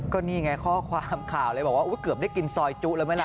ก็นี่ไงข้อความข่าวเลยบอกว่าเกือบได้กินซอยจุแล้วไหมล่ะ